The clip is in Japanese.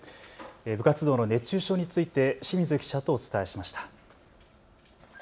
部活動の熱中症について清水記者とお伝えしました。